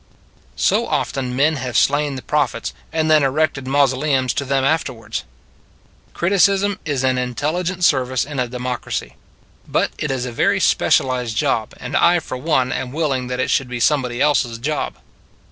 So often men have slain the prophets and then erected mausoleums to them aft erwards. Criticism is an intelligent service in a democracy: but it is a very specialized job; and I, for one, am willing that it should be somebody s else job.